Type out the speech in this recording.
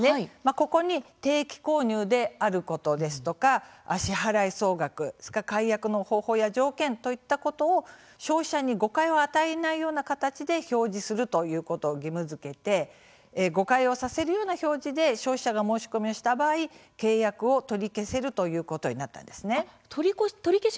ここに定期購入であることですとか、支払い総額解約の方法や条件といったことを消費者に誤解を与えないような形で表示するということを義務づけて誤解をさせるような表示で消費者が申し込みをした場合契約を取り消せるということになったんですね。